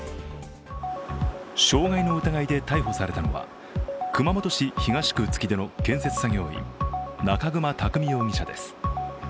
傷害の疑いで逮捕されたのは熊本市東区月出の建設作業員、中熊匠容疑者です。